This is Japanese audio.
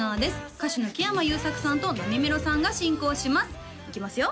歌手の木山裕策さんとなみめろさんが進行しますいきますよ？